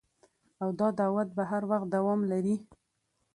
او دا دعوت به هر وخت دوام لري